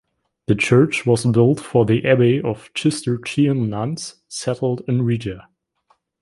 The church was built for the abbey of Cistercian nuns settled in Riga.